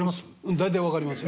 大体分かりますよ。